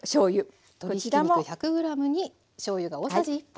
鶏ひき肉１００ｇにしょうゆが大さじ１杯。